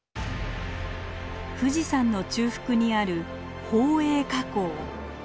富士山の中腹にある宝永火口。